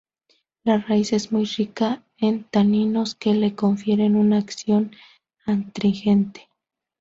La raíz, es muy rica en taninos, que le confieren una acción astringente.